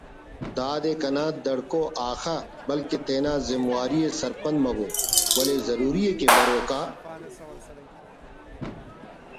دادے کنا دھڑکو آخا بلکن تینا زمواری سرپند مبو…… ولے ضروری ءِ کہ بروک آ